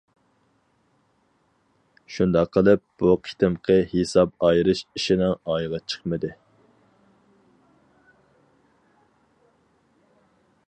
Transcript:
شۇنداق قىلىپ بۇ قېتىمقى ھېساب ئايرىش ئىشىنىڭ ئايىغى چىقمىدى.